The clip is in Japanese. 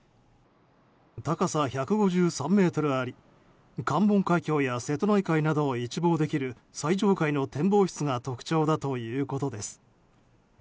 高さ１５３ｍあり関門海峡や瀬戸内海などを一望できる最上階の展望室が特徴だということです。